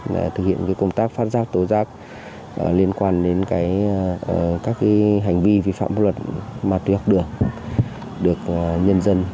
để thực hiện công tác phát giác tổ giác liên quan đến các hành vi vi phạm luật mà tuy học được nhân dân